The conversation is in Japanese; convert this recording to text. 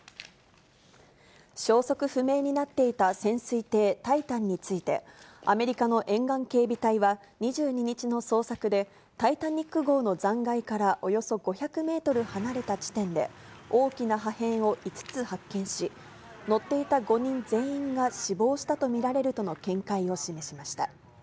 消息不明になっていた潜水艇タイタンについて、アメリカの沿岸警備隊は、２２日の捜索で、タイタニック号の残骸からおよそ５００メートル離れた地点で、大きな破片を５つ発見し、乗っていた５人全員が死亡したと見られるとの見解を示しました。